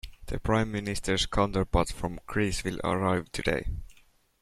The prime minister's counterpart from Greece will arrive today.